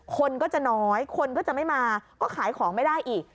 คนก็จะน้อยคนก็จะไม่มาก็ขายของไม่ได้อีก